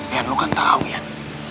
yan lu kan tau yan